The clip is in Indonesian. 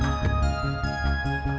gak usah banyak ngomong